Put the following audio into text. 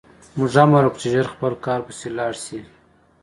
موږ امر وکړ چې ژر خپل کار پسې لاړ شي